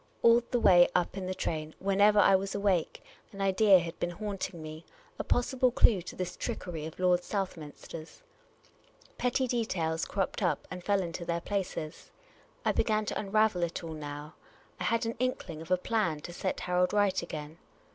All the way up in the train, whenever I was awake, an idea had been haunting me — a possible clue to this trickery of Lord Southminster's. Petty details cropped up and fell into their places. I began to unravel it all now. I had an inkling of a plan to set Harold right again.